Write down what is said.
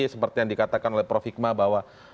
seperti yang dikatakan oleh prof hikmah bahwa